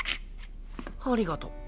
ありがと。